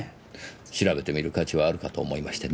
調べてみる価値はあるかと思いましてね。